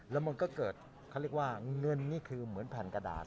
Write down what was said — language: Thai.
แล้วมันก็เกิดเขาเรียกว่าเงินนี่คือเหมือนแผ่นกระดาษ